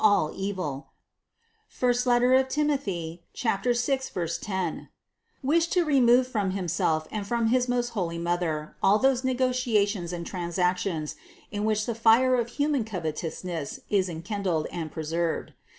6, 10) the root of all evil, wished to remove from Himself and from his most holy Mother all those negotiations and transactions, in which the fire of human covetousness is enkindled and preserved.